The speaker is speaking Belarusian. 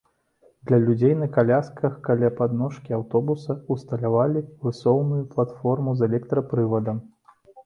Для людзей на калясках каля падножкі аўтобуса ўсталявалі высоўную платформу з электрапрывадам.